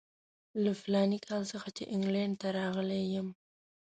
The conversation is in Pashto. له فلاني کال څخه چې انګلینډ ته راغلی یم.